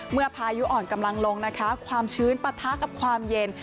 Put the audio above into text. พายุอ่อนกำลังลงนะคะความชื้นปะทะกับความเย็น